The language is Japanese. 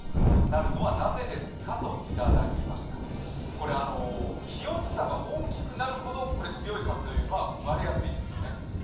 これ、気温差が大きくなるほど強い風というのは生まれやすいんですよね。